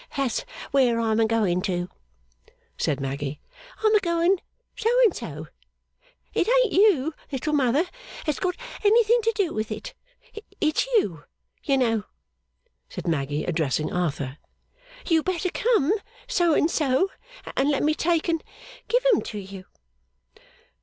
That's where I am a going to,' said Maggy. 'I'm a going So and So. It ain't you, Little Mother, that's got anything to do with it it's you, you know,' said Maggy, addressing Arthur. 'You'd better come, So and So, and let me take and give 'em to you.